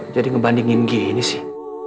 jadi ngebandingin g ini sih